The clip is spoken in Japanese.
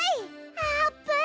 あーぷん！